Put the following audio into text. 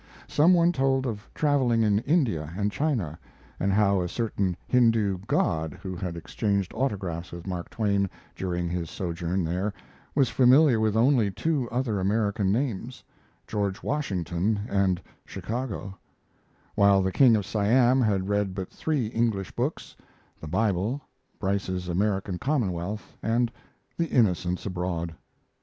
Some one told of traveling in India and China, and how a certain Hindu "god" who had exchanged autographs with Mark Twain during his sojourn there was familiar with only two other American names George Washington and Chicago; while the King of Siam had read but three English books the Bible, Bryce's American Commonwealth, and The Innocents Abroad.